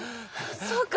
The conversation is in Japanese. そうか！